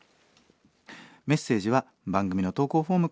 メッセージは番組の投稿フォームからぜひ送って下さい。